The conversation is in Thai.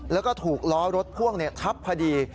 แล้วก็ถูกล้อรถพ่วงทับพอดี